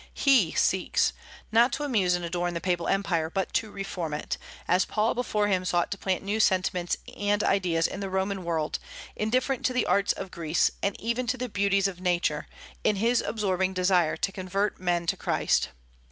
He seeks, not to amuse and adorn the Papal empire, but to reform it; as Paul before him sought to plant new sentiments and ideas in the Roman world, indifferent to the arts of Greece, and even the beauties of nature, in his absorbing desire to convert men to Christ.